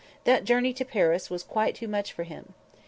that journey to Paris was quite too much for him.